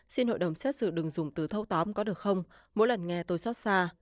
xin hội đồng xét xử đừng dùng từ thâu tóm có được không mỗi lần nghe tôi xót xa